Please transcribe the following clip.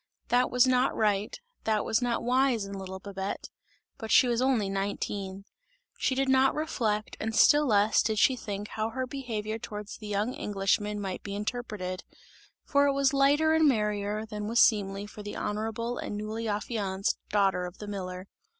That was not right, that was not wise in little Babette; but she was only nineteen! She did not reflect and still less did she think how her behaviour towards the young Englishman might be interpreted; for it was lighter and merrier than was seemly for the honourable and newly affianced daughter of the miller.